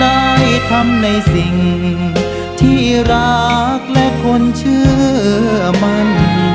ได้ทำในสิ่งที่รักและคนเชื่อมัน